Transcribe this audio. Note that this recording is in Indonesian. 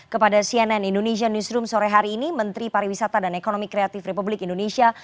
kepada cnn indonesia newsroom sore hari ini menteri pariwisata dan ekonomi kreatif republik indonesia